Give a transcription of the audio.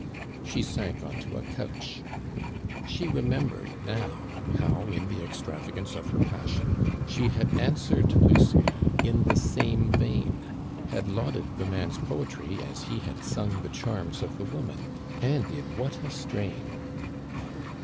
She sank on to a couch. She remembered now how, in the extravagance of her passion, she had answered Lucien in the same vein, had lauded the man's poetry as he has sung the charms of the woman, and in what a strain!